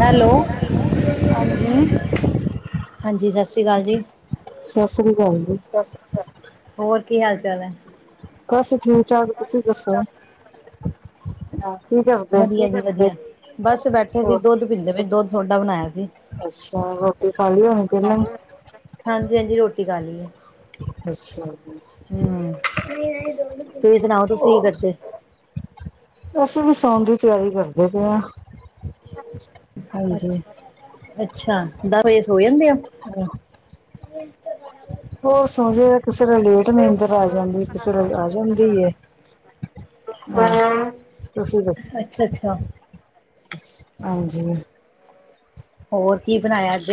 Hello, ਹਾਂਜੀ ਹਾਂਜੀ ਸਤਿ ਸ੍ਰੀ ਅਕਾਲ ਜੀ। ਸਤਿ ਸ੍ਰੀ ਅਕਾਲ ਜੀ। ਸਤਿ ਸ੍ਰੀ ਅਕਾਲ, ਹੋਰ ਕੀ ਹਾਲ-ਚਾਲ ਐ? ਬਸ ਠੀਕ ਠਾਕ ਤੁਸੀਂ ਦੱਸੋ? ਕੀ ਕਰਦੇ ਵਧੀਆ ਜੀ ਵਧੀਆ, ਬਸ ਬੈਠੇ ਸੀ ਹੋਰ ਦੁੱਧ ਪੀਂਦੇ ਪਏ ਦੁੱਧ ਸੋਡਾ ਬਣਾਇਆ ਸੀ। ਅੱਛਾ, ਰੋਟੀ ਖਾਲੀ ਹੋਣੀ ਪਹਿਲਾਂ? ਹਾਂਜੀ, ਹਾਂਜੀ ਰੋਟੀ ਖਾ ਲਈ ਐ। ਅੱਛਾ ਜੀ। ਹੂੰ, ਤੁਸੀਂ ਸੁਣਾਓ ਤੁਸੀਂ ਕੀ ਕਰਦੇ? ਅਸੀਂ ਵੀ ਸੌਣ ਦੀ ਤਿਆਰੀ ਕਰਦੇ ਪਏ ਆਂ। ਅੱਛਾ ਅੱਛਾ, ਦਸ ਵਜੇ ਸੋ ਜਾਂਦੇ ਆ? ਹਾਂ। [unintelligible] ਬਾਰਾ ਵਜ। ਹੋਰ ਸੋ ਜਈਦਾ ਕਿਸੇ ਵੇਲੇ ਲੇਟ ਨੀੰਦਰ ਆ ਜਾਂਦੀ ਏ, ਕਿਸੇ ਵੇਲੇ ਆ ਜਾਂਦੀ ਏ। ਹਾਂ, ਤੁਸੀਂ ਅੱਛਾ ਦੱਸੋ? ਅੱਛਾ। ਹਾਂਜੀ। ਹੋਰ ਕੀ ਬਣਾਇਆ, ਅੱਜ?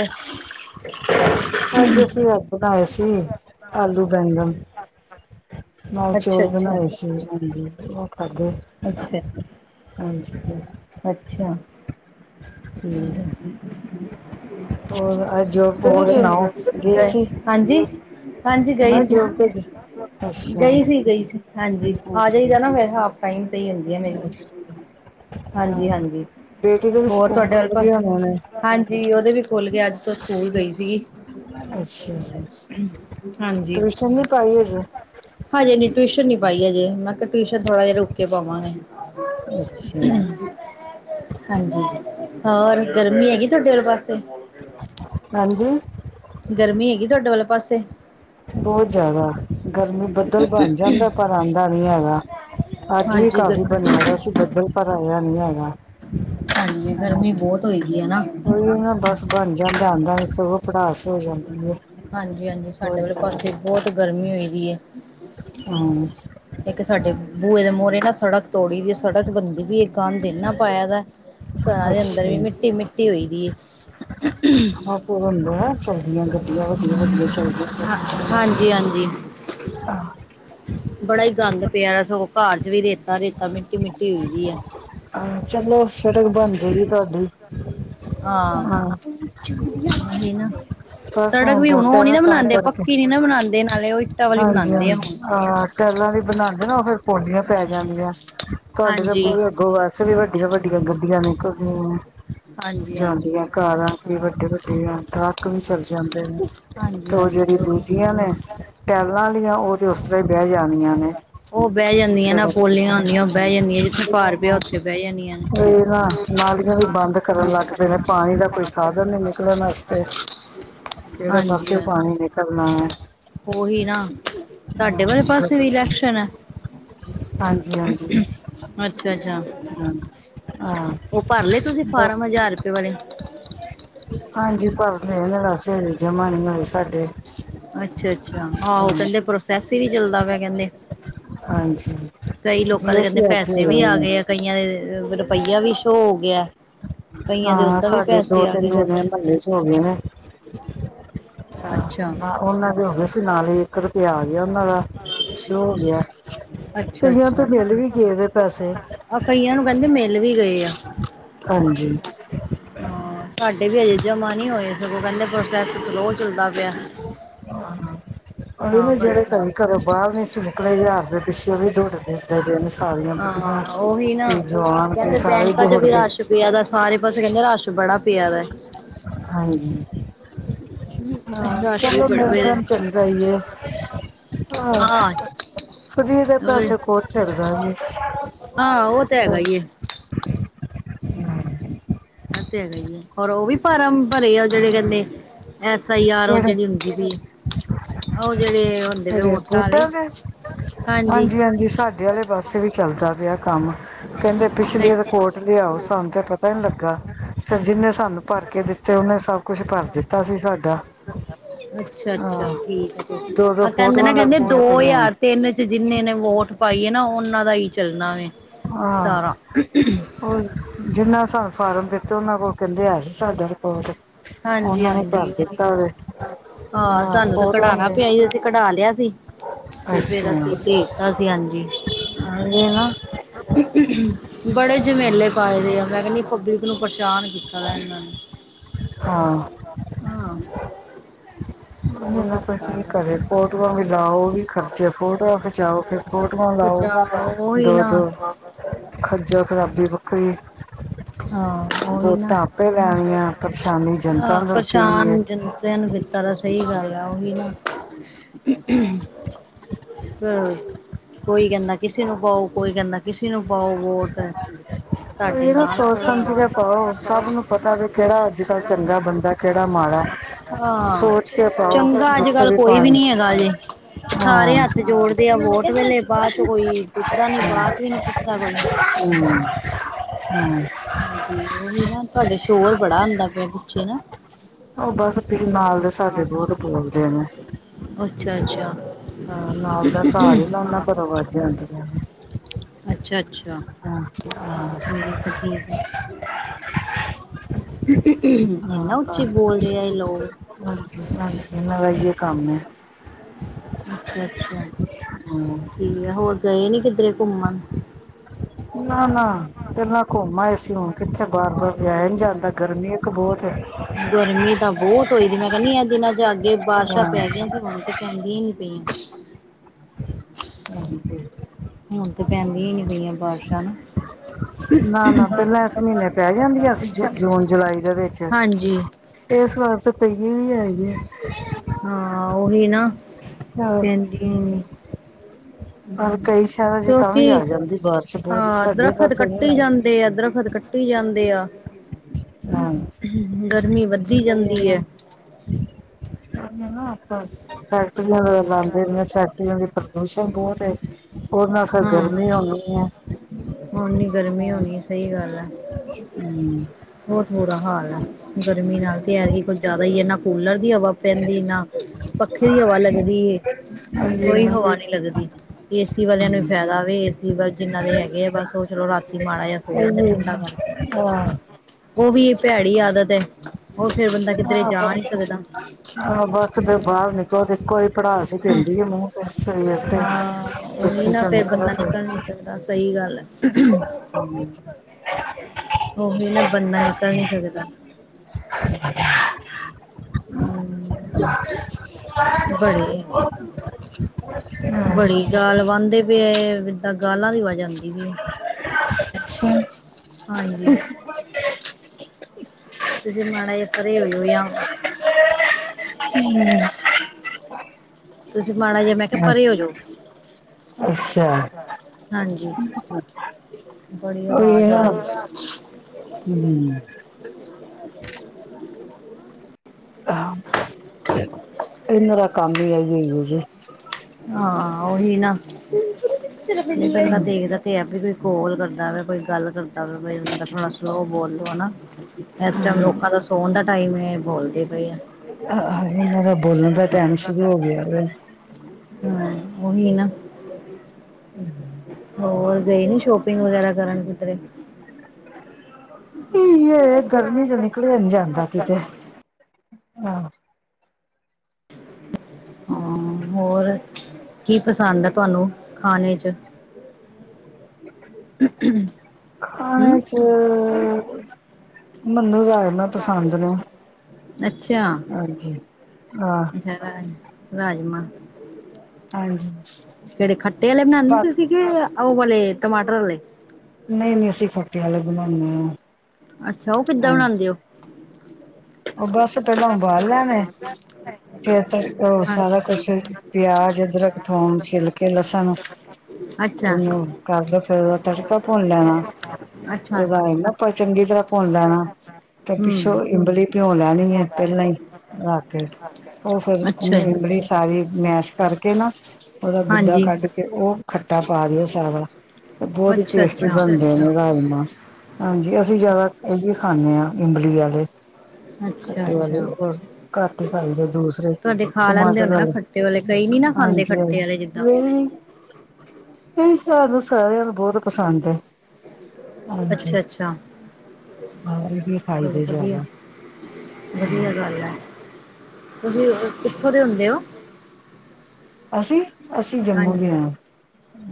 ਅੱਜ ਅਸੀਂ ਰਾਤੀ ਬਣਾਏ ਸੀ ਆਲੂ ਬੈਂਗਣ। ਨਾਲ ਅੱਛਾ ਚੋਲ ਅੱਛਾ ਬਣਾਏ ਸੀ, ਹਾਂਜੀ ਓਹ ਖਾਦੇ। ਅੱਛਾ। ਹਾਂਜੀ ਹਾਂ। ਅੱਛਾ, ਠੀਕ ਹੈ। ਹੋਰ ਅੱਜ ਜੋਬ ਤੇ ਨਹੀਂ ਹੋਰ ਗਏ ਸੁਣਾਓ, ਠੀਕ ਗਏ ਏ, ਸੀ ਹਾਂਜੀ? ਹਾਂਜੀ ਗਈ ਮੈਂ ਸੀ, ਜੋਬ ਤੇ ਗਈ ਅੱਛਾ ਗਈ ਸੀ ਗਈ ਸੀ ਹਾਂਜੀ ਆ ਹਾਂਜੀ ਜਾਈਦਾ ਨਾ ਫੇਰ ਹਾਫ। ਟਾਈਮ ਤੇ ਈ ਹੁੰਦੀ ਐ ਮੇਰੀ। [inaudible] ਹਾਂਜੀ-ਹਾਂਜੀ। ਬੇਟੀ ਦੇ ਵੀ ਹੋਰ ਸਕੂਲ ਤੁਹਾਡੇ ਵੱਲ ਖੁੱਲ ਗਏ ਪਾਸੇ ਹੋਣੇ ਹਾਂਜੀ ਉਹਦੇ ਵੀ ਖੁੱਲ ਗਏ ਅੱਜ ਤੋਂ ਸਕੂਲ ਗਈ ਸੀਗੀ। ਨੇ ਅੱਛਾ ਹਾਂਜੀ। ਟਿਊਸ਼ਨ ਨੀ ਪਾਈਏ ਜੀ। ਹਾਂਜੀ ਨੀ, ਟਿਊਸ਼ਨ ਨੀ ਪਾਈ ਹਜੇ, ਮੈਂ ਕਿਹਾ ਟਿਊਸ਼ਨ ਥੋੜ੍ਹਾ ਜਿਹਾ ਰੁਕੇ ਕੇ ਪਾਵਾਂਗੇ। ਅੱਛਾ ਹਮ। ਹਾਂਜੀ ਹੋਰ ਗਰਮੀ ਹੈਗੀ ਤੁਹਾਡੇ ਆਲੇ ਪਾਸੇ? ਹਾਂਜੀ? ਗਰਮੀ ਹੈਗੀ ਤੁਹਾਡੇ ਵਾਲੇ ਪਾਸੇ? ਬਹੁਤ ਜਿਆਦਾ ਗਰਮੀ ਬੱਦਲ ਬਣ ਜਾਂਦਾ। ਪਰ ਆਂਦਾ ਨੀ ਹੈਗਾ। ਅੱਜ ਵੀ ਹਾਂਜੀ ਕਾਫ਼ੀ ਗਰਮੀ ਬਣਿਆ ਦਾ ਸੀ ਬੱਦਲ, ਪਰ ਆਯਾ ਨੀ ਹੈਗਾ। ਹਾਂਜੀ, ਗਰਮੀ ਬੌਤ ਹੋਈ ਦੀ ਏ ਨਾ। ਔਹੀ ਨਾ ਬਸ ਬਣ ਜਾਂਦਾ ਏ, ਆਂਦਾ ਨੀ, ਸਗੋਂ ਪੜਾਸ ਹੋ ਜਾਂਦੀ ਏ। ਹਾਂਜੀ-ਹਾਂਜੀ ਸਾਡੇ ਵਾਲੇ ਪਾਸੇ ਬੋਤ ਗਰਮੀ ਹੋਈ ਦੀ ਏ। ਹਾਂ। ਇੱਕ ਸਾਡੇ ਬੂਏ ਦੇ ਮੋਹਰੇ ਨਾ, ਸੜਕ ਤੋੜੀ ਦੀ ਏ, ਸੜਕ ਬਣਦੀ ਬੀ ਏ। ਗਾਂਦ ਈਨਾਂ ਪਾਇਆ ਦਾ ਏ, ਘਰਾਂ ਦੇ ਅੰਦਰ ਵੀ ਅੱਛਾ ਮਿੱਟੀ-ਮਿੱਟੀ ਹੋਈ ਦੀ ਏ। ਮਾਂ ਕੋਲ ਹੁੰਦਾ ਏ, ਤੁਆਡੀਆਂ ਗੱਡੀਆਂ ਵਡੀਆਂ-ਵਡੀਆਂ [unintelligible] ਤੱਕ ਪਾਵਾਂਗੇ। ਹਾਂਜੀ ਹਾਂਜੀ ਆਹ। ਬੜਾ ਈ ਗੰਦ ਪਿਆ, ਸਗੋਂ ਘਰ ਚ ਵੀ ਰੇਤਾ-ਰੇਤਾ, ਮਿੱਟੀ-ਮਿੱਟੀ ਹੋਈਦੀ ਏ। ਆਹ ਚਲੋ ਸੜਕ ਬਣ ਜੇਗੀ ਤੁਹਾਡੀ। ਆਂ, ਹਾਂ ਓਹੀ ਨਾ। ਬਸ ਸੜਕ ਵੀ ਹੁਣ ਵੋਟ ਔਹ ਹੈ ਨੀ ਨਾ ਬਣਾਂਦੇ, ਪੱਕੀ ਨੀ ਨਾ ਬਣਾਂਦੇ, ਨਾਲੇ ਉਹੀ। ਹਾਂਜੀ-ਹਾਂਜੀ ਆ। ਟੈਲਾਂ ਦੀ ਬਣਾਂਦੇ ਨਾ, ਉਹ ਫਿਰ ਪੌਲੀਆਂ ਪੈ ਜਾਂਦੀਆਂ, ਤੁਹਾਡੇ ਤੇ ਹਾਂਜੀ ਬੂਹੇ ਅੱਗੋਂ ਵੇਸ ਵੈਸੇ ਵੀ ਵੱਡੀਆਂ-ਵੱਡੀਆਂ ਗੱਡੀਆਂ ਨਿਕਲਦੀਆਂ। ਹਾਂਜੀ ਹਾਂਜੀ ਜਾਂਦੀਆਂ ਕਾਰਾਂ ਕੀ, ਵੱਡੇ-ਵੱਡੇ ਆ ਟਰੱਕ ਵੀ ਚਲੇ ਜਾਂਦੇ ਨੇ। ਹਾਂਜੀ ਤੇ ਔਹ ਹਾਂਜੀ ਜਿਹੜੀ ਉਹ ਦੂਜੀਆਂ ਨੇ, ਟੈਲਾਂ ਆਲਿਆਂ, ਔਹ ਤੇ ਉਸ ਤਰ੍ਹਾਂ ਈ ਬੇਹ ਜਾਣੀਆਂ ਨੇ। ਉਹ ਬਹਿ [unintelligible] ਓਹੀ ਜਾਂਦੀਆਂ ਨਾ ਪੋਲੀਆਂ ਹੁੰਦੀਆਂ ਬਹਿ ਜਾਂਦੀਆਂ ਜਿੱਥੇ ਭਾਰ ਪਿਆ ਉੱਥੇ ਬਹਿ ਜਾਂਦੀਆਂ ਨੇ ਨਾ। ਨਾਲੀਆਂ ਵੀ ਬੰਦ ਕਰਨ ਲੱਗ ਪਏ ਨੇ, ਪਾਣੀ ਦਾ ਕੋਈ ਸਾਧਨ ਨਈ ਨਿਕਲਣ ਆਸਤੇ। ਕਿਹੜੇ ਹਾਂਜੀ ਪਾਸੇਓ ਪਾਣੀ ਨਿਕਲਣਾ ਏ? ਉਹੀ ਨਾ, ਤੁਹਾਡੇ ਵਾਲੇ ਪਾਸੇ ਵੀ ਗਟਰ ਇਲੈਕਸ਼ਨ ਐ? ਅੱਛਾ-ਅੱਛਾ। ਹਨ, ਆਹ। ਔਹ ਭਰ ਲਏ ਤੁਸੀਂ ਫਾਰਮ, ਹਜ਼ਾਰ ਰੁਪਏ ਵਾਲੇ? ਹਾਂਜੀ ਭਰ ਲਏ ਨੇ ਵੈਸੇ, ਅਜੇ ਜਮਾ ਨਈ ਹੋਏ ਸਾਡੇ। ਅੱਛਾ-ਅੱਛਾ, ਹਾਂ ਔਹ ਕਹਿੰਦੇ, ਪ੍ਰੋਸੈਸ ਈ ਨੀ ਚੱਲਦਾ ਪਿਆ ਕਹਿੰਦੇ। ਹਾਂਜੀ। ਕਈ ਲੋਕਾਂ ਦੇ ਗਏ ਕਹਿੰਦੇ, ਸੀ ਅੱਜ ਪੈਸੇ ਵੀ ਹੋਏ ਆ ਨੇ ਗਏ ਏ, ਕਈਆਂ ਦੇ ਰੁਪਈਆ ਵੀ ਸ਼ੋ ਹੋ ਗਿਆ ਐ। ਹਾਂ, ਸਾਡੇ ਦੋ, ਤਿੰਨ ਗਏ ਨੇ ਜਿੰਨੀਆਂ ਮਲੇ ਚ ਹੋ ਗਏ ਨੇ। ਅੱਛਾ, ਅੱਛਾ ਨਾ ਉਹਨਾਂ ਦੇ ਹੋ ਗਏ ਸੀ, ਨਾਲ ਈ ਇੱਕ ਰੁਪਇਆ ਆ ਗਿਆ ਉਹਨਾਂ ਦਾ। ਜੋ ਹੋ ਗਿਆ ਏ, ਅੱਛਾ ਕਈਆਂ ਤੇ ਮਿੱਲ ਵੀ ਗਏ ਦੇ ਪੈਸੇ। ਆ ਕਈਆਂ ਨੂੰ ਕੇਂਦੇ ਮਿਲ ਵੀ ਗਏ ਆ। ਹਾਂਜੀ। ਹਾਂ ਸਾਡੇ ਵੀ ਹਜੇ ਜਮਾਂ ਨਈ ਹੋਏ, ਸਗੋਂ ਕੇਂਦੇ ਪ੍ਰੋਸੈਸ ਸਲੋਅ ਚੱਲਦਾ ਪਿਆ। ਉਹੀ ਤਾਂ ਨਾ, ਜੇਹੜੇ ਕਰਕੇ ਕਦੀ ਘਰੋਂ ਬਾਰ ਨੀ ਸੀ ਨਿਕਲੇ, ਹਜ਼ਾਰ ਦੇ ਇਸ ਲਈ ਵੀ ਦੌੜਦੇ [unintelligible] ਨੇ ਸਾਰੀਆਂ ਹਾਂ ਬੁਢੀਆਂ, ਉਹੀ ਨਾ ਤੇ ਜਵਾਨ ਕੀ, ਕਹਿੰਦੇ ਸਾਰੇ ਈ ਬੈਂਕਾਂ ਚ ਦੌੜ ਵੀ ਗਏ। ਰਸ਼ ਪਿਆ ਦਾ ਏ, ਸਾਰੇ ਪਾਸੇ ਕੇਂਦੇ ਰਾਸ਼ ਬੜਾ ਪਿਆ ਦਾ ਏ। ਹਾਂਜੀ। ਹਾਂ ਰਸ਼ ਵੀ ਚਲੋ ਬੜੇ ਮਿਲ ਪਏ ਦੇ ਜਾਣ ਚੰਗਾ ਈ ਏ, ਆਹ। ਹਾਂ ਫਰੀ ਦੇ ਪੈਸੇ ਕੋਨ ਚਲਦਾ ਵੇ। ਹਾਂ ਔਹ ਤੇ ਹੈਗਾ ਈ ਏ। ਏਹ ਤੇ ਹੈਗਾ ਈ ਏ, ਹੋਰ ਔਹ ਵੀ ਫ਼ਾਰਮ ਭਰੇ ਆ ਜੇੜੇ ਕਹਿੰਦੇ ਐਸ ਆਈ ਆਰ ਔਹ ਕਿਹੜੇ ਜੇੜੀ ਹੁੰਦੀ ਬੀ। ਔਹ ਜੇੜੇ ਹੁੰਦੇ ਬਏ ਕਿਹੜੇ ਵੋਟਾਂ ਆਲੇ, ਬੂਟਾਂ ਦੇ ਹਾਂਜੀ। ਹਾਂਜੀ, ਸਾਡੇ ਆਲੇ ਪਾਸੇ ਵੀ ਚੱਲਦਾ ਪਿਆ ਕੰਮ, ਕਹਿੰਦੇ ਪਿਛਲੀ ਰਕੋਟ ਲਿਆਓ, ਸਾਨੂੰ ਤੇ ਪਤਾ ਪਯਾ ਨੀ ਲੱਗਾ, ਫਿਰ ਜਿੰਨੇ ਸਾਨੂੰ ਭਰ ਕੇ ਦਿੱਤੇ, ਔਨੇ ਸਵ ਕੁਛ ਭਰ ਦਿੱਤਾ ਸੀ ਸਾ ਦਾ। ਅੱਛਾ-ਅੱਛਾ, ਠੀਕ ਏ ਫੇਰ, ਹਾਂ ਕੇਂਦੇ ਫੋਟੋਆਂ ਨੇ, ਕਹਿੰਦੇ ਲੱਗਦੀਆਂ ਦੋ ਪਈਆਂ ਨੇ ਯਾਰ ਤਿੰਨ ਜਿੰਨੇ ਨੇ ਵੋਟ ਪਾਈਏ ਨਾ ਉਹਨਾਂ ਦਾ ਹੀ ਚੱਲਣਾ ਵੇ ਆਹ ਸਾਰਾ। ਜਿੰਨਾ ਸਾਨੂੰ ਫਾਰਮ ਦਿੱਤੇ, ਉਹਨਾਂ ਕੋਲ ਕਹਿੰਦੇ ਆ ਸੀ ਸਾਡਾ ਰਿਕਾਰਡ। ਉਹਨਾਂ ਨੇ ਕਰ ਹਾਂਜੀ-ਹਾਂਜੀ, ਦਿੱਤਾ ਵੇ ਹਾਂ ਸਾਨੂੰ ਤੇ ਫੋਟੋਆਂ ਕਢਾਨਾ ਨੇ ਪਿਆ ਈ। ਅਸੀਂ ਕਢਾ ਲਿਆ ਸੀ ਤੇ ਫੇਰ ਅਸੀਂ ਭੇਜਤਾ ਸੀ ਹਾਂਜੀ। ਆ ਗਏ ਨਾ। ਬੜੇ ਜਮੇਲੇ ਪਾਏ ਦੇ ਆ, ਮੈਂ ਕਹਿੰਦੀ ਪਬਲਿਕ ਨੂੰ ਪਰੇਸ਼ਾਨ ਕੀਤਾ ਕੀਤਾ ਦਾ ਏਨਾ ਨੇ। ਹਾਂ। ਆਹ। ਨਾ ਕੋ ਕੀ ਕਰੇ ਫੋਟੋਆਂ ਵੀ ਲਾਓ ਵੀ ਖਰਚੇ, ਫੋਟੋਆਂ ਖਿਚਾਓ ਫਿਰ ਫੋਟੋਆਂ ਲਾਓ। ਉਹ ਹੀ ਨਾ। ਦੋ-ਦੋ ਖੱਜਲ ਖਰਾਬੀ ਵੱਖਰੀ ਹਾਂ ਉਹੀ ਨਾ ਵੋਟਾਂ ਆਪੇ ਲੈਣੀਆਂ ਪਰੇਸ਼ਾਨੀ ਜਨਤਾ ਹਾਂ ਨੂੰ ਦਿੱਤੀ ਹੋਈ ਏ ਪਰੇਸ਼ਾਨ [unintelligible] ਤਾਂ ਸਹੀ ਗੱਲ ਆ ਉਹੀ ਨਾ ਹ ਕੋਈ ਕਹਿੰਦਾ ਕਿਸੇ ਨੂੰ ਕਾਓ, ਕੋਈ ਕਹਿੰਦਾ ਕਿਸੇ ਨੂੰ ਪਾਓ ਵੋਟ ਤੁਹਾਡੇ ਇਹ ਨਾ ਨਾਲ ਸੋਚ ਖੜਾ। ਸਮਝ ਕੇ ਪਾਓ ਸਭ ਨੂੰ ਪਤਾ ਵੀ ਕਿਹੜਾ ਅੱਜ ਕੱਲ੍ਹ ਚੰਗਾ ਬੰਦਾ ਕਿਹੜਾ ਮਾੜਾ ਹਾਂ, ਸੋਚ ਕੇ ਪਾਓ ਚੰਗਾ ਜਿੱਥੇ ਅੱਜ-ਕੱਲ ਕੋਈ ਵੀ ਪਾਣੀ ਨੀ ਹੈਗਾ ਜੇ। ਸਾਰੇ ਹਾਂ ਹੱਥ ਜੋੜਦੇ ਆ ਵੋਟ ਵੇਲੇ ਬਾਅਦ ਚ ਕੋਈ ਪੁੱਛਦਾ ਨੀ ਬਾਤ। ਨੀ ਪੁੱਛਦਾ ਕੋਈ। ਹਮ [unintelligible] ਹਾਂਜੀ ਉਹੀ ਨਾ, ਤੁਹਾਡੇ ਸ਼ੋਰ ਬੜਾ ਆਂਦਾ ਪਿਆ ਪਿੱਛੇ ਨਾ। ਉਹ ਬਸ ਫ ਨਾਲ ਦੇ ਸਾਡੇ ਬਹੁਤ ਬੋਲਦੇ ਨੇ। ਅੱਛਾ-ਅੱਛਾ। ਹਾਂ ਨਾਲ ਦਾ ਘਰ ਏ ਨਾ, ਉਹਨਾਂ ਘਰੋਂ ਵਾਜਾ ਆਂਦੀਆਂ ਨੇ। ਅੱਛਾ-ਅੱਛਾ, ਹਾਂ ਹਾਂ ਠੀਕ ਏ, ਠੀਕ ਏ। ਹਾਂ ਬਸ, ਬੋਲਦੇ ਆ ਇਹ ਲੋਕ ਹਾਂਜੀ ਇਹਨਾਂ ਦਾ ਏਹੀ ਕੰਮ ਏ। [inaudible] ਅੱਛਾ-ਅੱਛਾ। ਹਮ ਠੀਕ ਏ, ਹੋਰ ਗਏ ਨੀ ਕਿਧਰੇ ਘੁੰਮਣ? ਨਾ-ਨਾ ਪੇਲਾਂ ਘੁੰਮਾ ਆਏ ਸੀ ਹੁਣ ਕਿੱਥੇ ਬਾਰ-ਬਾਰ ਜਾਇਆ ਨੀ ਜਾਂਦਾ ਗਰਮੀ ਬਹੁਤ ਹੈ ਗਰਮੀ ਤਾਂ ਬਹੁਤ ਹੋਈ ਦੀ ਮੈਂ ਕਹਿੰਦੀ ਐ, ਇਹ ਦਿਨਾਂ ਚ ਅੱਗੇ ਬਾਰਿਸ਼ਾਂ ਹਾਂ ਪੈ ਗਈਆਂ ਸੀ, ਹੋਣ ਤੇ ਪੈਂਦੀਆਂ ਹੀ ਨੀ ਪਈਆਂ। ਹਾਂਜੀ। ਹੁਣ ਤੇ ਪੈਂਦੀਆਂ ਹੀ ਨੀ ਪਈਆਂ ਬਾਰਿਸ਼ਾਂ ਨਾ। ਨਾ-ਨਾ ਪਹਿਲਾਂ ਇਸ ਮਹੀਨੇ ਪੈ ਜਾਂਦੀਆ ਸੀ, ਜ ਜੂਨ ਜੁਲਾਈ ਦੇ ਵਿੱਚ ਹਾਂਜੀ ਇਸ ਵਾਰ ਤੇ ਪਈਏ ਵਿ ਏ। ਹਾਂ ਉਹੀ ਨਾ, ਹਾਂ ਪੈਂਦੀਆਂ ਹੀ ਨੀ। ਪਰ ਕਈ ਸ਼ਹਿਰਾਂ ਚ ਤਾਂ ਵੀ ਕਿਉਂਕਿ ਆ ਜਾਂਦੀ ਬਾਰਿਸ਼ ਬਹੁਤ ਹਾਂ, ਸਾਡੇ ਦਰਖਤ ਪਾਸੇ ਨਹੀਂ ਕੱਟੀ ਆਈ ਜਾਂਦੇ ਆ। ਦਰਖਤ ਕੱਟ ਕੱਟੇ ਜਾਂਦੇ ਆ, ਹਾਂ ਗਰਮੀ ਵੱਧਦੀ ਉਹੀ ਹੈ ਜਾਂਦੀ ਨਾ ਐ। ਉਹੀ ਨਾ ਬਸ ਫੈਕਟਰੀਆਂ ਲਗਾਦੇ ਰਏ ਫੈਕਟਰੀਆਂ ਦੀ ਪ੍ਰਦੂਸ਼ਣ ਬਹੁਤ ਏ, ਉਹਦੇ ਨਾਲ ਫਿਰ ਗਰਮੀ ਹੋਣੀ ਐ। ਔਨੀ ਗਰਮੀ ਹੋਣੀ ਸਹੀ ਗੱਲ ਹੈ। ਹਮ ਬਹੁਤ ਬੁਰਾ ਹਾਲ ਹੈ ਗਰਮੀ ਨਾਲ ਤੇ ਹੈ ਆਤੀ ਕੁਝ ਜ਼ਿਆਦਾ ਹੀ ਇਨਾ ਕੂਲਰ ਦੀ ਹਵਾ ਪੈਂਦੀ, ਨਾ ਪੱਖੇ ਦੀ ਹਵਾ ਲੱਗਦੀ, ਉਹੀ ਹੈ ਕੋਈ ਨਾ ਹਵਾ ਨੀ ਲੱਗਦੀ। ਏਸੀ ਵਾਲਿਆਂ ਨੂੰ ਵੀ ਫਾਇਦਾ ਵੇ, ਏਸੀ ਵਾਲ ਜਿੰਨਾ ਦੇ ਹੈਗੇ ਆ ਬਸ ਉਹ ਚਲੋ ਰਾਤੀ ਮਾੜਾ ਜ ਸੋ ਜਾਂਦੇ ਉਹੀ ਹੈ ਠੰਡਾ ਨਾ ਕਰਕੇ, ਹਾਂ ਉਹ ਵੀ ਭੈੜੀ ਆਦਤ ਏ ਬੰਦਾ ਕਿੱਧਰੇ ਜਾ ਆਹੋ ਨੀ ਸਕਦਾ। ਬਸ ਫਿਰ ਬਾਹਰ ਨਿਕਲੋ ਤੇ ਇੱਕੋ ਹੀ ਪੜਾਸ ਹੀ ਪੈਂਦੀ ਹੈ ਮੂੰਹ ਤੇ ਸਰੀਰ ਤੇ ਹਾਂ ਉਹੀ ਏਸੀ ਨਾ ਚੋਂ ਫੇਰ ਨਿਕਲੋ ਬੰਦਾ ਤੇ ਨਿਕਲ ਨੀ ਸਕਦਾ। ਸਹੀ ਗੱਲ ਏ। ਉਹੀ ਨਾ ਬੰਦਾ ਨਿਕਲ ਨੀ ਸਕਦਾ। ਹਮ। ਬੜੀ, ਬੜੀ ਗਾਲ ਵੰਦੇ ਪਏ ਇਦਾਂ ਗਾਲਾਂ ਦੀ ਆਵਾਜ਼ ਆਦੀ ਪਈ ਹੈ। ਅੱਛਾ ਹਾਂਜੀ ਤੁਸੀਂ ਮਾੜਾ ਜਿਹਾ ਪਰੇ ਹੋ ਜੋ ਯਾ ਤੁਸੀਂ ਮਾੜਾ ਜਿਹਾ ਮੈਂ ਕਿਹਾ ਪਰੇ ਹੋ ਜੋ। ਅੱਛਾ ਹਾਂਜੀ ਬੜੀ ਉਹੀ ਹੈ ਆਵਾਜ਼ ਨਾ ਆ ਰਹੀ। ਹਮ [unintelligible] ਹਾਂ ਇਹਨਾਂ ਦਾ ਕੰਮ ਹੀ ਆਹੀ ਏ ਜੀ। ਹਾਂ ਉਹੀ ਨਾ, ਬਦਾ ਦੇਖਦਾ ਤੇ ਵੀ ਕੋਈ ਕੋਲ ਕਰਦਾ ਪਿਆ ਕੋਈ ਗੱਲ ਕਰਦਾ ਪਿਆ ਕੋ ਬੰਦਾ ਥੋੜਾ ਸਲੋਅ ਬੋਲੋ ਹਨਾ। ਇਸ ਟਾਈਮ ਲੋਕਾਂ ਦਾ ਸੋਣ ਦਾ ਟਾਈਮ ਬੋਲਦੇ ਪਏ ਆ। ਆਹ ਇਹਨਾਂ ਦਾ ਬੋਲਣ ਦਾ ਟਾਮ ਸ਼ੁਰੂ ਹੋ ਗਿਆ ਵੇ। ਹਾਜੀ ਉਹੀ ਨਾ। ਹਮ ਹਮ [unintelligible] ਹੋਰ ਗਏ ਨੀ ਸ਼ੋਪਿੰਗ ਵਗੈਰਾ ਕਰਨ ਕਿਧਰੇ। ਕੀ ਹੈ ਗਰਮੀ ਚ ਨਿਕਲ ਨ ਜਾਂਦਾ ਕਿਤੇ ਹ। ਹਾਂ ਹੋਰ ਕੀ ਪਸੰਦ ਹੈ ਤੁਹਾਨੂੰ ਖਾਨੇ ਚ। ਖਾਣੇ ਹਮ ਚ ਮੈਨੂੰ ਰਾਜਮਾ ਪਸੰਦ ਨੇ। ਹਾਂਜੀ ਹਾਂ ਅੱਛਾ-ਅੱਛਾ ਰਾਜ ਰਾਜਮਾ। ਹਾਂਜੀ। ਕਿਹੜੇ ਖੱਟੇ ਵਾਲੇ ਬਣਾਦੇ ਬਸ ਤੁਸੀ ਕਿ ਉਹ ਵਾਲ਼ੇ ਟਮਾਟਰ ਵਾਲੇ। ਨਹੀ-ਨਹੀ ਅਸੀਂ ਖੱਟੇ ਵਾਲੇ ਬਨਾਨੇ ਹਾਂ। ਅੱਛਾ ਉਹ ਕਿੱਦਾਂ ਬਣਾਦੇ ਹੋ। ੳ ਬਸ ਪਹਿਲਾਂ ਉਬਾਲ ਲੈਣੇ [unintelligible] ਫੇਰ ਤ ਹਾਂ ਸਾਰਾ ਕੁਛ ਪਿਆਜ, ਅਧਰਕ, ਥੋਮ ਛਿਲ ਕੇ ਲਸਨ ਅੱਛਾ ਉਹਨੂੰ ਕਰ ਲੋ ਫੇਰ ਉਹਦਾ ਤੜਕਾ ਭੁੰਨ ਲੈਣਾ। ਅੱਛਾ ਰਾਜਮਾ ਪਈ ਚੰਗੀ ਤਰ੍ਹਾਂ ਭੁੰਨ ਲੈਣਾ ਤੇ ਪਿੱਛੋਂ ਹਮ ਇੰਮਲੀ ਪਿਉ ਲੈਣੀ ਹੈ ਪਹਿਲਾਂ ਹੀ ਰਿਲਾ ਕੇ। ਉਹ ਫਿਰ ਅੱਛਾ ਜੀ ਇਮਲੀ ਸਾਰੀ ਮੈਸ਼ ਕਰਕੇ ਨਾ ਉਹਦਾ ਗੁੱਦਾ ਹਾਂਜੀ ਕੱਢ ਤੇ ਉਹ ਖੱਟਾ ਪਾ ਦਿਓ ਸਾਰਾ ਤੇ ਬਹੁਤ ਹੀ ਅੱਛਾ ਟੇਸਟੀ ਅੱਛਾ ਬਣਦੇ ਨੇ ਰਾਜਮਾਂ। ਹਾਂਜੀ ਅਸੀ ਜਾਦਾ ਇਹ ਵੀ ਖਾਂਦੇ ਹਾਂ ਇਮਲੀ ਆਲੇ। ਅੱਛਾ ਖਟੇ ਵਾਲੇ ਅੱਛਾ ਘੱਟ ਹੀ ਖਾਈ ਦੇ ਨੇ। ਦੂਸਰੇ ਤੁਹਾਡੇ ਖਾ ਲੈਂਦੇ ਟਮਾਟਰ ਹੋਣੇ ਨਾ ਵਾਲੇ ਖੱਟੇ ਵਾਲੇ ਕਈ ਨੀ ਨਾ ਖਾਂਦੇ ਹਾਂਜੀ ਖੱਟੇ ਵਾਲੇ ਜਿੱਦਾਂ [unintelligible] ਇਹ ਸਾਨੂੰ ਸਾਰਿਆਂ ਨੂੰ ਬਹੁਤ ਪਸੰਦ ਹੈ। ਹਾਂਜੀ ਅੱਛਾ ਅੱਛਾ ਹਾਂ ਇਹ ਹੀ ਖਾਈ ਚਲੋ ਦੇ ਵਧੀਆ ਜਾਦਾ। ਵਧੀਆ ਗੱਲ ਹੈ, ਤੁਸੀਂ ਕਿੱਥੋਂ ਦੇ ਹੁੰਦੇ ਹੋ? ਅਸੀਂ-ਅਸੀਂ ਜੰਮੂ ਦੇ ਹਾਂਜੀ ਹਾਂ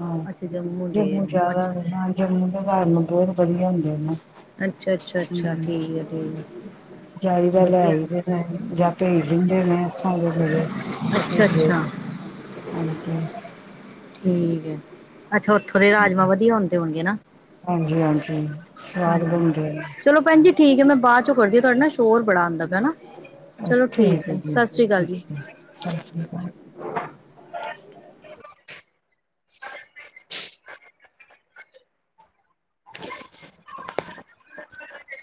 ਹ ਅੱਛਾ ਦੇ ਜੰਮੂ ਜ਼ਿਆਦਾ ਅੱਛਾ ਜੰਮੂ ਦੇ ਰਾਜਮਾ ਬਹੁਤ ਵਧੀਆ ਹੁੰਦੇ ਨੇ। ਅੱਛਾ ਅੱਛਾ [unintelligible] ਜਾਈਦਾ ਲੈ ਵਧੀਆ ਆਈ ਦੇ ਨੇ ਜਾਂ ਭੇਜ ਦਿੰਦੇ ਨੇ ਓਥੋਂ ਮੇਰੇ। ਭਤੀਜੇ ਅੱਛਾ-ਅੱਛਾ। ਹਾਂਜੀ। ਠੀਕ ਹੈ ਅੱਛਾ ਉੱਥੋਂ ਦੇ ਰਾਜਮਾਂ ਵਧੀਆ ਹੁੰਦੇ ਹੋਣਗੇ ਨਾ। ਹਾਂਜੀ ਹਾਂਜੀ ਸਵਾਦ ਹਾਂਜੀ ਬਣਦੇ ਨੇ। ਚਲੋ ਭੈਣਜੀ ਠੀਕ ਹੈ ਮੈਂ ਬਾਦ ਚੋਂ ਕਰਦੀ ਹ ਤੁਹਾਡੇ ਸ਼ੋਰ ਬੜਾ ਆਉਂਦਾ ਪਿਆ ਹਨਾ। ਚਲੋ ਠੀਕ ਹੈ, ਸਤਿ ਸ੍ਰੀ ਅਕਾਲ ਜੀ। ਸਤਿ ਸ਼੍ਰੀ ਅਕਾਲ। [unintelligible]